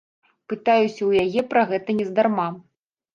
Пытаюся ў яе пра гэта нездарма.